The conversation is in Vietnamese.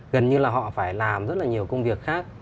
gần như là họ phải làm rất là nhiều công việc khác